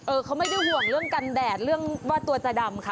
เขาไม่ได้ห่วงเรื่องกันแดดเรื่องว่าตัวจะดำค่ะ